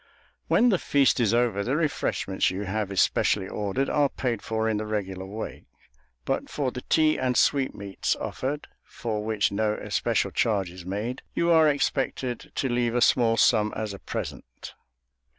When the feast is over, the refreshments you have especially ordered are paid for in the regular way; but for the tea and sweetmeats offered, for which no especial charge is made, you are expected to leave a small sum as a present.